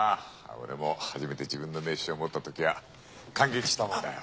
俺も初めて自分の名刺を持ったときは感激したものだよ。